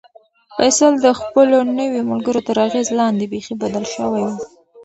فیصل د خپلو نویو ملګرو تر اغېز لاندې بیخي بدل شوی و.